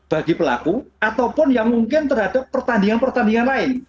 bagi pelaku ataupun yang mungkin terhadap pertandingan pertandingan lain